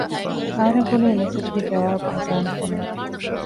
އަހަރެން ފޮނުވި މެސެޖްގެ ޖަވާބު އަޒާން ފޮނުވި